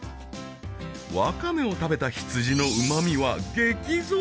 ワカメを食べた羊のうま味は激増！